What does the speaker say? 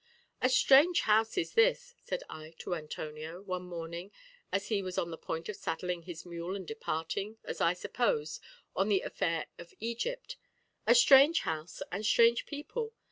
"A strange house is this," said I to Antonio, one morning as he was on the point of saddling his mule, and departing, as I supposed, on the affairs of Egypt; "a strange house and strange people.